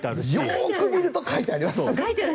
よく見ると書いてあります。